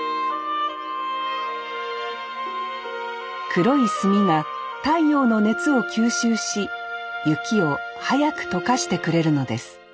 黒い炭が太陽の熱を吸収し雪を早く解かしてくれるのです